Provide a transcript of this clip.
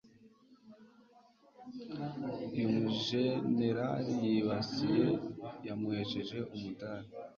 Uyu mujenerali yibasiye yamuhesheje umudari